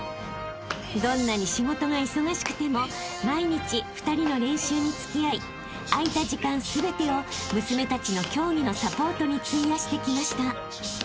［どんなに仕事が忙しくても毎日２人の練習に付き合い空いた時間全てを娘たちの競技のサポートに費やしてきました］